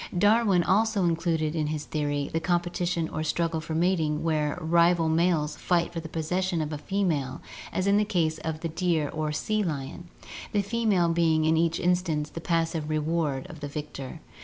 Darwin also included in his theory the competition or struggle for mating where rival males fight for the possession of a female as in the case of the deer or the sea lion, the female being in each instance the passive reward of the victor.